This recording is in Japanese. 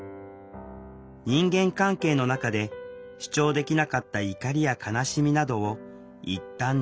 人間関係の中で主張できなかった怒りや悲しみなどをいったん寝かせる。